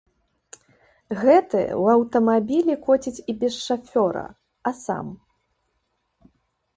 Гэты ў аўтамабілі коціць і без шафёра, а сам.